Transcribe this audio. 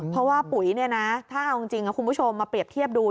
เพราะว่าปุ๋ยเนี่ยนะถ้าเอาจริงคุณผู้ชมมาเปรียบเทียบดู